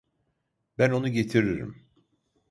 Ben onu getiririm.